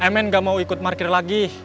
mn gak mau ikut parkir lagi